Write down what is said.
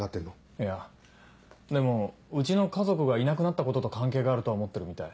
いやでもうちの家族がいなくなったことと関係があるとは思ってるみたい。